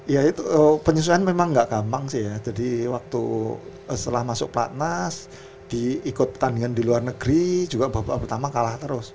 ya itu penyesuaian memang gak gampang sih ya jadi waktu setelah masuk platnas di ikut pertandingan di luar negeri juga bapak pertama kalah terus